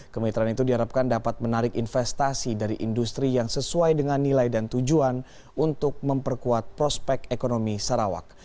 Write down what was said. kemitraan itu diharapkan dapat menarik investasi dari industri yang sesuai dengan nilai dan tujuan untuk memperkuat prospek ekonomi sarawak